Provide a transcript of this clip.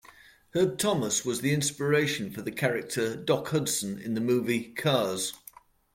Herb Thomas was the inspiration for the character "Doc Hudson" in the movie "Cars".